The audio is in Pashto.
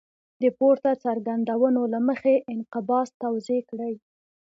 د پورته څرګندونو له مخې انقباض توضیح کړئ.